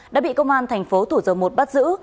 đã bị công an thành phố thủ dầu một bắt giữ